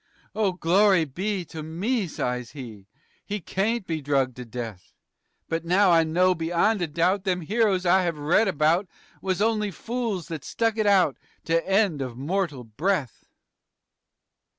"Oh, glory be to me," sighs he. "He kaint be drug to death, But now I know beyond a doubt Them heroes I have read about Was only fools that stuck it out _To end of mortal breath.